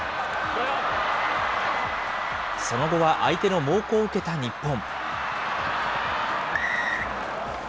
その後は相手の猛攻を受けた日本。